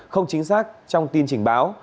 không chính xác trong tin trình báo